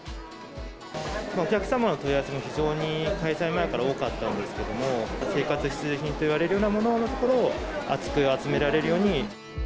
お客様の問い合わせも非常に、開催前から多かったんですけれども、生活必需品といわれるようなもののところを厚く集められるように。